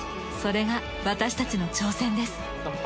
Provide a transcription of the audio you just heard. それが私たちの挑戦です。